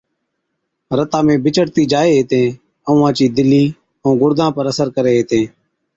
رتا ۾ بِچڙتِي جائي هِتين ائُون اُونهان چِي دِلِي ائُون گُڙدان پر اثر ڪرين هِتين۔